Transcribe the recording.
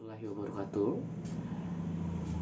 apakah boleh melaksanakan sholat duha di dalam hal ini